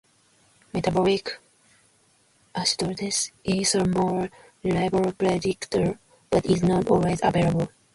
Metabolic acidosis is a more reliable predictor, but is not always available.